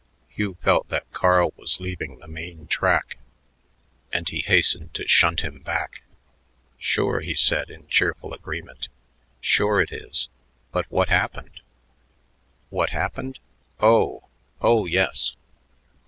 Hugh felt that Carl was leaving the main track, and he hastened to shunt him back. "Sure," he said in cheerful agreement; "sure it is but what happened?" "What happened? Oh oh, yes!"